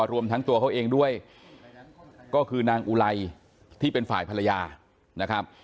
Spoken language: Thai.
รวมทั้งตัวเขาเองด้วยก็คือนางอุไลที่เป็นฝ่ายภรรยานะครับ